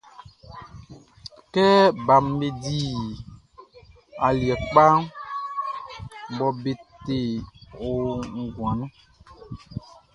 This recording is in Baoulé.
Kɛ baʼm be di aliɛ kpa mɔ be te o nguan nunʼn.